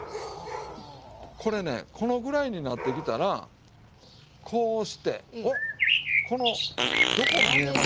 これねこのぐらいになってきたらこうしてこのどこ見えます？